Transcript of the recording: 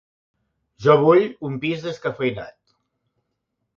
Jo vull un pis descafeïnat.